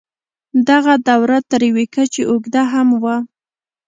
دغه دوره تر یوې کچې اوږده هم وه.